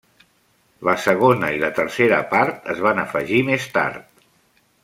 La segona i la tercera part es van afegir més tard.